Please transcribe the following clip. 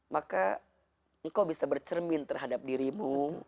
maka engkau bisa bercermin terhadap dirimu